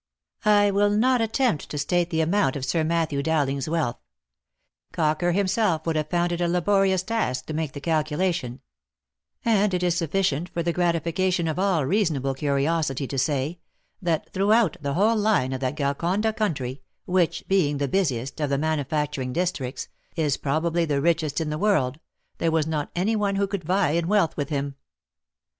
I will not attempt to state the amount of Sir Matthew Dowling's wealth ; Cocker himself would have found it a laborious task to make the calculation ; and it is sufficient for the gratification of all reasonable curiosity to say, that throughout the whole line of that Golconda country, which, being the busiest of the manufacturing districts, is probably the richest in the world, there was not any one who could vie in wealth with him.